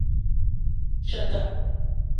Cə̀tə̀.